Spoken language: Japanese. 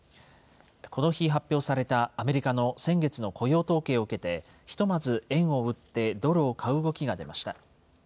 この日、発表されたアメリカの先月の雇用統計を受けて、ひとまず円を売ってドルを買う動きが出ました。